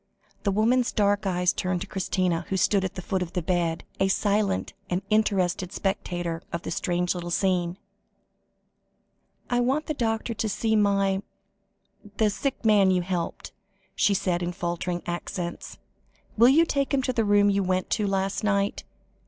The woman's dark eyes turned to Christina, who stood at the foot of the bed, a silent and interested spectator of the strange little scene. "I want the doctor to see my the sick man you helped," she said in faltering accents. "Will you take him to the room you went to last night?